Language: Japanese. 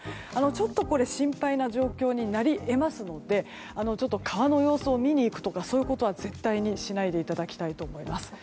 ちょっと心配な状況になり得ますので川の様子を見に行くとかは絶対にしないでいただきたいと思います。